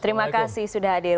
terima kasih sudah hadir